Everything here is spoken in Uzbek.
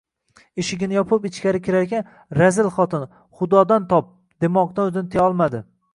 Eshigini yopib ichkari kirarkan: — Razil xotin, Xudodan top!-demoqdan o'zini tiya olmadi.